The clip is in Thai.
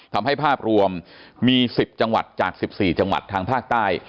ทำให้ภาพรวมมี๑๐จังหวัดจาก๑๔จังหวัดทางภาคใต้